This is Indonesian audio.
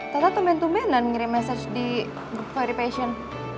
tata tumen tumenan ngirim message di grup vw passion